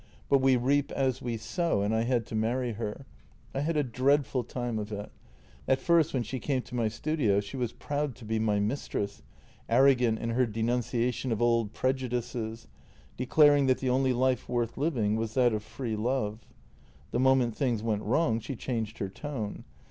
But we reap as we sow, and I had to marry her. I had a dreadful time of it. At first, when she come to my studio, she was proud to be my mistress, arrogant in her denunciation of old prejudices, declaring that the only life worth living was that of free love. The moment things went wrong she changed her tone.